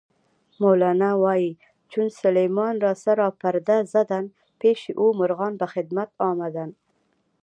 مولانا وایي: "چون سلیمان را سرا پرده زدند، پیشِ او مرغان به خدمت آمدند".